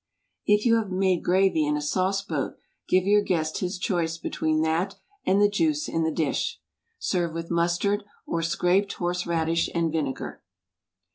If you have made gravy in a sauce boat, give your guest his choice between that and the juice in the dish. Serve with mustard, or scraped horse radish and vinegar.